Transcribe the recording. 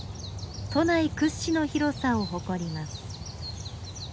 都内屈指の広さを誇ります。